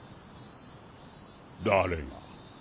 誰が？